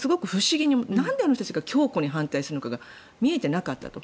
なんであの人たちが強固に反対するのか見えてなかったと。